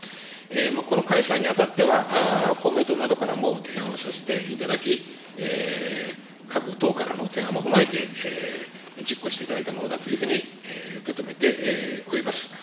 この開催にあたっては、公明党などからも提案をさせていただき、各党からの提案も踏まえて、実行していただいたものだというふうに受け止めています。